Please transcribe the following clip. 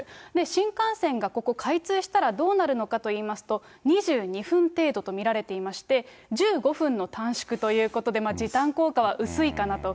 新幹線がここ、開通したらどうなるのかといいますと、２２分程度と見られていまして、１５分の短縮ということで、時短効果は薄いかなと。